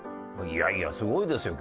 いやいやすごいですよ